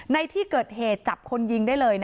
ในที่เกิดเหตุจับคนยิง